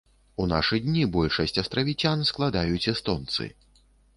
У нашы дні большасць астравіцян складаюць эстонцы.